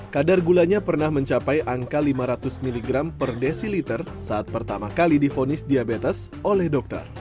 kadar gulanya pernah mencapai angka lima ratus mg per desiliter saat pertama kali difonis diabetes oleh dokter